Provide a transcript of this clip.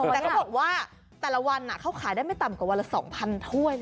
แต่เขาบอกว่าแต่ละวันเขาขายได้ไม่ต่ำกว่าวันละ๒๐๐ถ้วยนะ